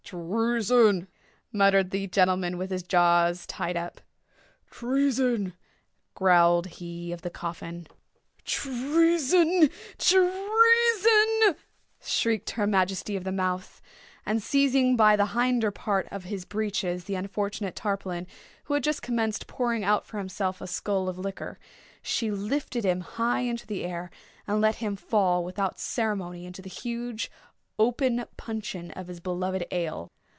"Treason!" muttered the gentleman with his jaws tied up. "Treason!" growled he of the coffin. "Treason! treason!" shrieked her majesty of the mouth; and, seizing by the hinder part of his breeches the unfortunate Tarpaulin, who had just commenced pouring out for himself a skull of liqueur, she lifted him high into the air, and let him fall without ceremony into the huge open puncheon of his beloved ale.